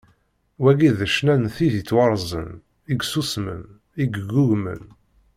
Wagi d ccna n tid i yettwarzen, i yessusmen, i yeggugmen.